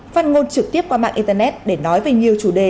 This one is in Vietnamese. phát ngôn trực tiếp qua mạng internet để nói về nhiều chủ đề